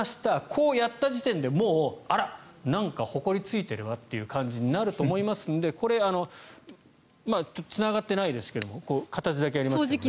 こうやった時点でもうあら、なんかほこりついてるわという感じになると思いますのでこれ、つながってないですけど形だけやりますけど。